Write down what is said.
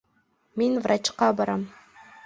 Мин врачҡа барам